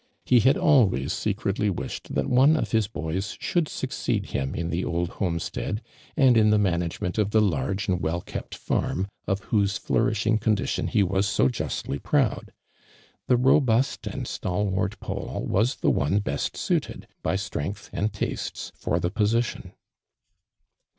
lie had al ways secretly wished that one of his boys should succeed him in the old homestead, and in the management of the large and well kept farm, of whose flourishing condi tion he was so justly jaoud. The robust and stalwart Paul was the one best suited, by strength and ti sfes, for the i>osition.